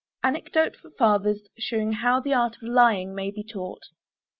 ANECDOTE FOR FATHERS SHEWING HOW THE ART OF LYING MAY BE TAUGHT.